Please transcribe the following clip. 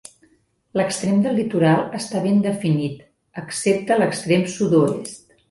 L'extrem del litoral està ben definit excepte l'extrem sud-oest.